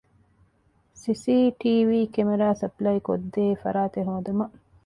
ސި.ސީ.ޓީވީ ކެމެރާ ސަޕްލައިކޮށްދޭ ފަރާތެއް ހޯދުމަށް